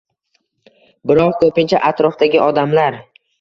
biroq ko‘pincha atrofdagi odamlar